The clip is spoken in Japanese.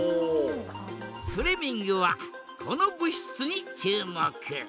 フレミングはこの物質に注目。